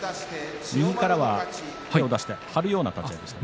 右からは手を出して張るような立ち合いでした。